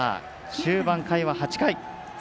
終盤、回は８回。